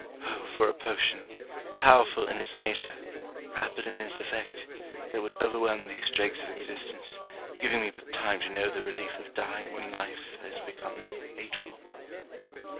Oh for a potion, powerful in its nature, rapid in its effect, that would overwhelm these dregs of existence, giving me but time to know the relief of dying when life has become hateful!